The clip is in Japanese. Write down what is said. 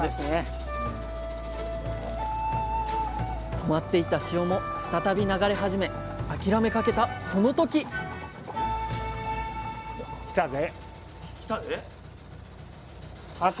止まっていた潮も再び流れ始め諦めかけたその時あ